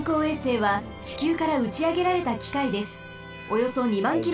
およそ２まんキロ